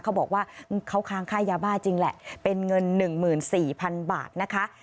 เขาบอกว่าเขาค้างค่ายาบ้าจริงแหละเป็นเงิน๑๔๐๐๐บาทนะคะ